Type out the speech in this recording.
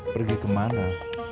pergi ke mana